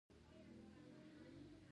د دښتو د پرمختګ هڅې روانې دي.